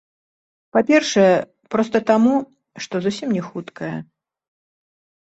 Па-першае, проста таму, што зусім не хуткая.